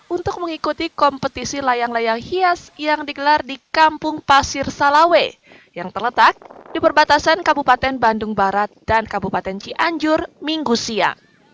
untuk mengikuti kompetisi layang layang hias yang digelar di kampung pasir salawe yang terletak di perbatasan kabupaten bandung barat dan kabupaten cianjur minggu siang